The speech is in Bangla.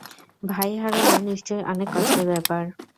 ভাই হারানো, নিশ্চয়ই অনেক কষ্টের ব্যাপার।